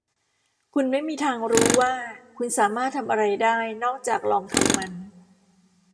คุณไม่มีทางรู้ว่าคุณสามารถทำอะไรได้นอกจากได้ลองทำมัน